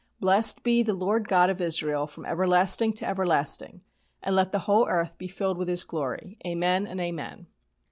Blessed be the Lord God of Israel from everlasting to everlasting, and let the whole earth be filled with His glory! Amen and Amen!"